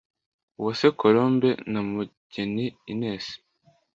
Uwase Colombe na Mugeni Ines